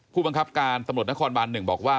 ผู้บังคับการตำรวจนครบาน๑บอกว่า